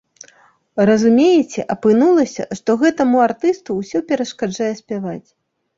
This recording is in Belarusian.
Разумееце, апынулася, што гэтаму артысту ўсё перашкаджае спяваць.